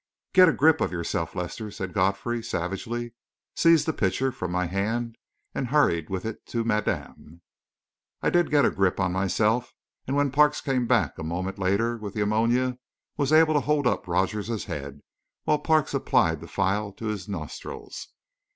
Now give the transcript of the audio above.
"Get a grip of yourself, Lester," said Godfrey, savagely, seized the pitcher from my hand, and hurried with it to madame. I did get a grip of myself, and when Parks came back a moment later with the ammonia, was able to hold up Rogers's head, while Parks applied the phial to his nostrils.